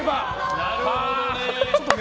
なるほどね！